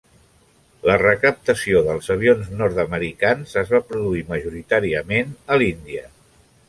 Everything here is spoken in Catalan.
La recaptació dels avions nord-americans es va produir majoritàriament a l'Índia.